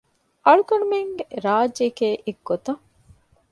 އަޅުގަނޑުމެންގެ ރާއްޖެއެކޭ އެއްގޮތަށް